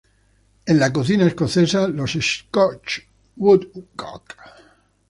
En la cocina escocesa, los scotch woodcock.